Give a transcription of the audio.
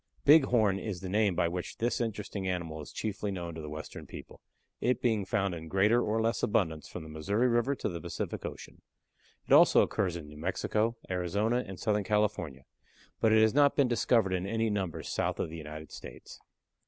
Bighorn is the name by which this interesting animal is chiefly known to western people, it being found in greater or less abundance from the Missouri River to the Pacific Ocean. It also occurs in New Mexico, Arizona, and Southern California, but it has not been discovered in any numbers south of the United States.